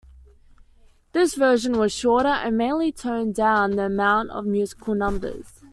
This version was shorter, and mainly toned down the amount of musical numbers.